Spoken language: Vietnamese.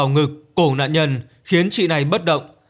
bỏ vào ngực cổ nạn nhân khiến chị này bất động